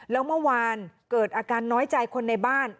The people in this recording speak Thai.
แล้วเมื่อวานเกิดอาการน้อยใจคนในบ้าน